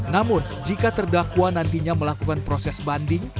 namun jika terdakwa nantinya melakukan proses banding